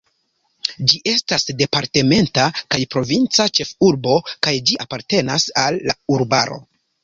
Ĝi estas departementa kaj provinca ĉefurbo kaj ĝi apartenas al urbaro.